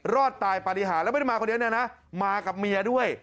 รอดตายปฏิหารแล้วไม่ได้มาคนเดียวเนี่ยนะมากับเมียด้วย